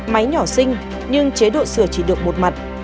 máy nhỏ sinh nhưng chế độ sửa chỉ được một mặt